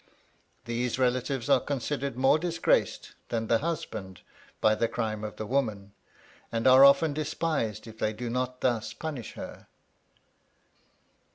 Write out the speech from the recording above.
These relatives are considered more disgraced than the husband by the crime of the woman; and are often despised if they do not thus punish her.